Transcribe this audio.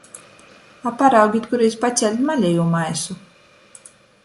A paraugit kurs paceļt malejū maisu!